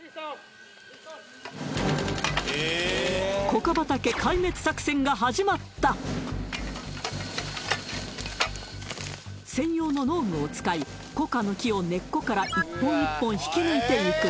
コカ畑壊滅作戦が始まった専用の農具を使いコカの木を根っこから一本一本引き抜いていく